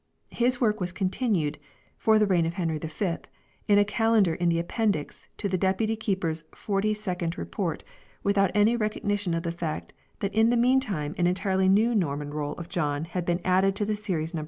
His work was con tinued (for the reign of Henry V) in a calendar in the Appendix to the Deputy Keeper's Forty second Report without any recognition of the fact that in the mean time an entirely new Norman Roll of John had been added to the series No.